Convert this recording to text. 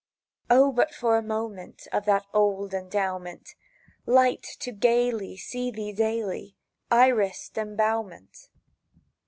O for but a moment Of that old endowment— Light to gaily See thy daily Irisèd embowment!